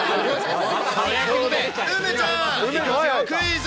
ということで、梅ちゃん、クイズ。